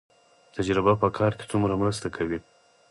تجربه په کار کې څومره مرسته کوي؟